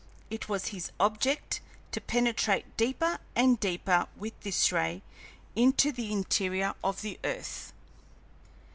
It was his object to penetrate deeper and deeper with this ray into the interior of the earth.